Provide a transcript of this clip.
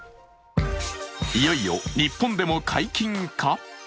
いよいよ日本でも解禁か？